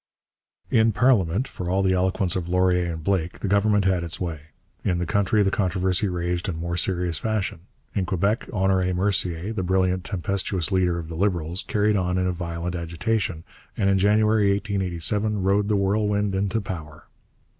In parliament, for all the eloquence of Laurier and Blake, the Government had its way. In the country the controversy raged in more serious fashion. In Quebec Honoré Mercier, the brilliant, tempestuous leader of the Liberals, carried on a violent agitation, and in January 1887 rode the whirlwind into power.